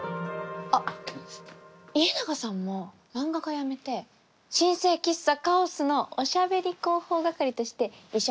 あっ家長さんも漫画家やめて新生喫茶カオスのおしゃべり広報係として一緒に働きませんか？